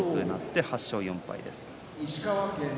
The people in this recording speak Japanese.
８勝４敗です。